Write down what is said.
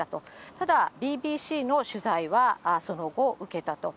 ただ、ＢＢＣの取材はその後受けたと。